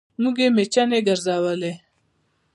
مور يې مېچنې ګرځولې